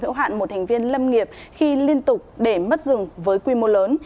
hữu hạn một thành viên lâm nghiệp khi liên tục để mất rừng với quy mô lớn